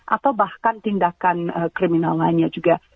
atau bahkan tindakan kriminal lainnya juga